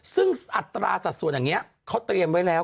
ซึ่งอัตราสัดส่วนอย่างนี้เขาเตรียมไว้แล้ว